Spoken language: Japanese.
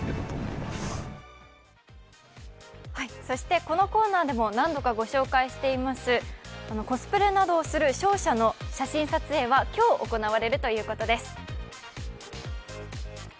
そして、このコーナーでも何度かご紹介していますコスプレなどをする勝者の写真撮影は今日行われるということです。